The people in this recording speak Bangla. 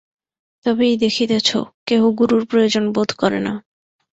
তবেই দেখিতেছ, কেহ গুরুর প্রয়োজন বোধ করে না।